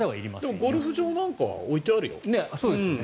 でもゴルフ場なんかは置いてますよ。